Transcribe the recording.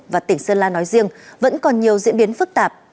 và tỉnh sơn la nói riêng vẫn còn nhiều diễn biến phức tạp